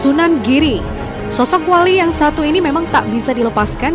sunan giri sosok wali yang satu ini memang tak bisa dilepaskan